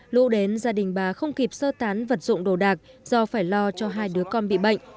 lũ đến gia đình bà không kịp sơ tán vật dụng đồ đạc do phải lo cho hai đứa con bị bệnh